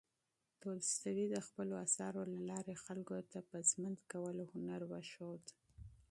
تولستوی د خپلو اثارو له لارې خلکو ته د ژوند کولو هنر وښود.